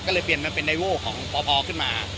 ก็เลยเปลี่ยนเป็นของพอขึ้นมา